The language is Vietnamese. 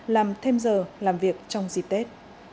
làm thêm giờ làm việc trong dịp tết